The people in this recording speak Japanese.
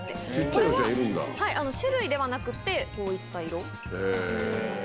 これは、種類ではなくって、こういった色。